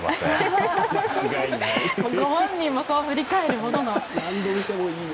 ご本人もそう振り返るほどの。